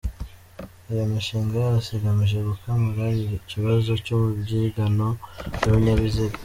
Iyo mishinga yose igamije gukemura ikibazo cy’umubyigano w’ibinyabiziga.